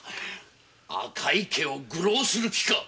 赤井家を愚ろうする気か！